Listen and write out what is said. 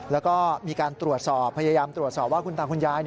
แล้วก็มีการตรวจสอบพยายามตรวจสอบว่าคุณตาคุณยาย